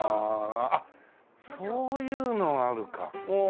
あっそういうのがあるか。